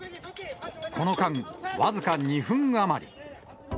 この間、僅か２分余り。